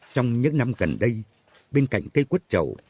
trong những năm gần đây bên cạnh cây quất chậu